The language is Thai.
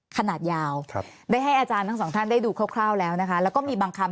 ขนาดยาวได้ให้อาจารย์ทั้งสองท่านได้ดูคร่าวแล้วนะคะแล้วก็มีบางคำ